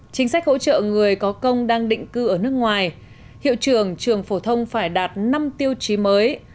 chính sách hỗ trợ người có công đang định cư ở nước ngoài hiệu trường trường phổ thông phải đạt năm tiêu chí mới